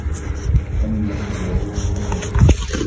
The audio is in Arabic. لِأَنَّهُ يَرُومُ مِثْلَهُ